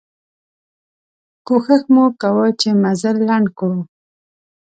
کوښښ مو کوه چې مزل لنډ کړو.